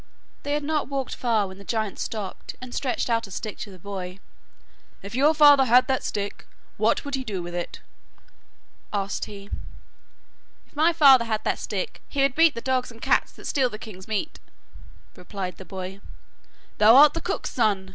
They had not walked far when the giant stopped and stretched out a stick to the boy. 'If your father had that stick, what would he do with it?' asked he. 'If my father had that stick, he would beat the dogs and cats that steal the king's meat,' replied the boy. 'Thou art the cook's son!